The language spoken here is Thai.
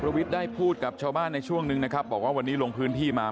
วิทย์ได้พูดกับชาวบ้านในช่วงนึงนะครับบอกว่าวันนี้ลงพื้นที่มา